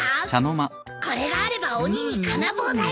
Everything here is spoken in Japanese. これがあれば鬼に金棒だよ。